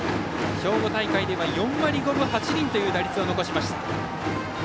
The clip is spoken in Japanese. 兵庫大会では４割５分８厘という打率を残しました。